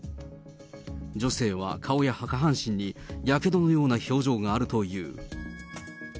女性は顔や下半身にやけどのような症状があるという。